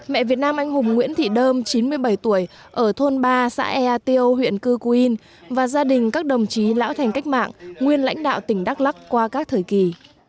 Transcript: mẹ việt nam anh hùng nguyễn thị đơm chín mươi bảy tuổi ở thôn ba xã ea tiêu huyện cư cu yên và gia đình các đồng chí lão thành cách mạng nguyên lãnh đạo tỉnh đắk lắc qua các thời kỳ